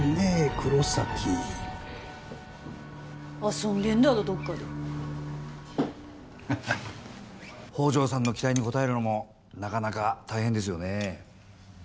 黒崎遊んでんだろどっかでハハ宝条さんの期待に応えるのもなかなか大変ですよね